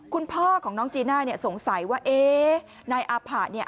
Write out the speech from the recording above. คุณพ่อของน้องจีน่าเนี่ยสงสัยว่าเอ๊ะนายอาผะเนี่ย